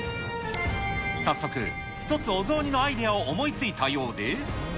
早速、１つお雑煮のアイデアを思いついたようで。